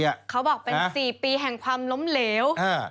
เขาบอกเป็น๔ปีแห่งความล้มเหลว